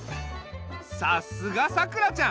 さすがさくらちゃん。